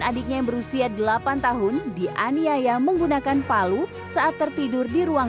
adiknya yang berusia delapan tahun dianiaya menggunakan palu saat tertidur di ruang